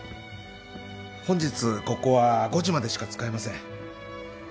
本日ここは５時までしか使えません。